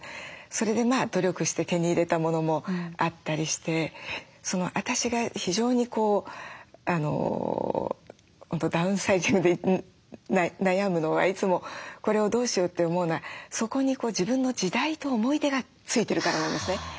それで努力して手に入れたものもあったりして私が非常にこう本当ダウンサイジングで悩むのはいつもこれをどうしようって思うのはそこに自分の時代と思い出がついてるからなんですね。